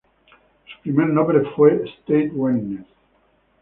Su primer nombre fue "Stade Rennes".